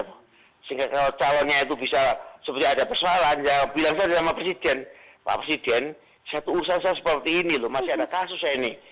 sehingga kalau calonnya itu bisa seperti ada persoalan bilang saja sama presiden pak presiden satu urusan saya seperti ini loh masih ada kasus saya ini